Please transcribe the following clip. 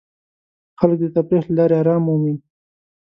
خلک د تفریح له لارې آرام مومي.